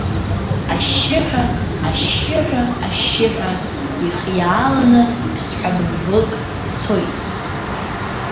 Ашьшьыҳәа, ашьшьыҳәа, ашьшьыҳәа, ихиааланы ԥсҭҳәа бымбылк цоит.